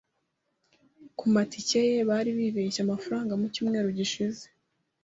kumatike ye bari bibeshye amafaranga mu cyumweru gishize.